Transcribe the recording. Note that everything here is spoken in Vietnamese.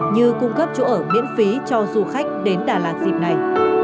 như cung cấp chỗ ở miễn phí cho du khách đến đà lạt dịp này